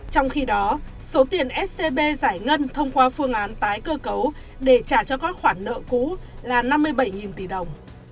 trong khi đó số tiền scb giải ngân thông qua phương án tái cơ cấu để trả cho các khoản nợ cũ là năm mươi bảy tỷ đồng